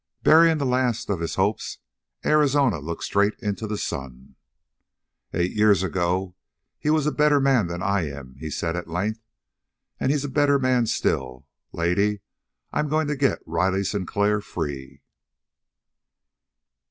Burying the last of his hopes, Arizona looked straight into the sun. "Eight years ago he was a better man than I am," said he at length. "And he's a better man still. Lady, I'm going to get Riley Sinclair free!"